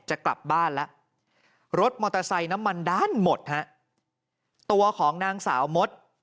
จะกลับบ้านแล้วรถมอเตอร์ไซค์น้ำมันด้านหมดฮะตัวของนางสาวมด